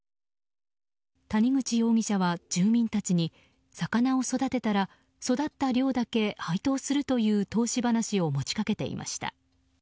谷口容疑者は住民たちに魚を育てたら育った量だけ配当するという投資話を持ちかけていました。